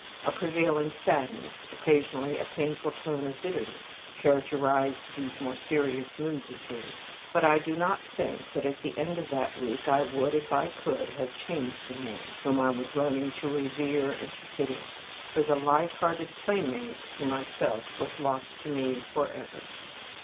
A prevailing sadness, occasionally a painful tone of bitterness, characterized these more serious moods of his, but I do not think that, at the end of that week, I would, if I could, have changed the man, whom I was learning to revere and to pity, for the light hearted playmate whom I felt was lost to me for ever.